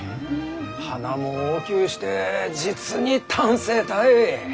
花も大きゅうして実に端正たい！